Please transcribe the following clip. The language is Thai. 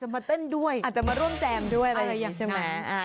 แต่อย่าลืมนะว่า